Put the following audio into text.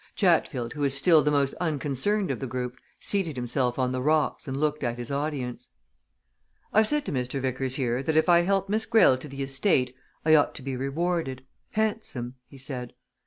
Chatfield, who was still the most unconcerned of the group, seated himself on the rocks and looked at his audience. "I've said to Mr. Vickers here that if I help Miss Greyle to the estate, I ought to be rewarded handsome," he said.